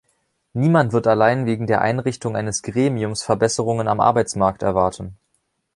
Niemand wird allein wegen der Einrichtung eines Gremiums Verbesserungen am Arbeitsmarkt erwarten.